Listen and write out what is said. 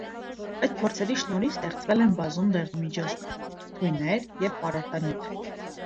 Այդ փորձերի շնորհիվ ստեղծվել են բազում դեղամիջոցներ, թույներ և պարարտանյութեր։